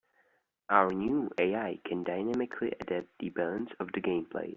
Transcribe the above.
Our new AI can dynamically adapt the balance of the gameplay.